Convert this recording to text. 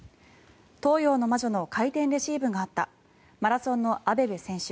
東洋の魔女の回転レシーブがあったマラソンのアベベ選手